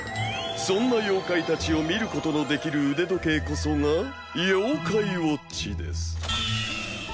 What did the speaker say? そんな妖怪たちを見ることのできる腕時計こそが妖怪ウォッチです。